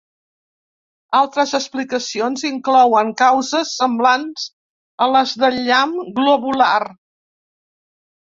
Altres explicacions inclouen causes semblants a les del llamp globular.